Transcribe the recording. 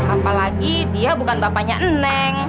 apalagi dia bukan bapaknya neneng